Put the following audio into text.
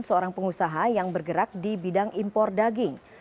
seorang pengusaha yang bergerak di bidang impor daging